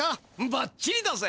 ばっちりだぜ！